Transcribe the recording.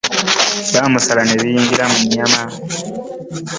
Baamusala ne bayingira mu nnyama.